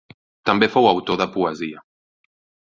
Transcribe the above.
També fou autor de poesia.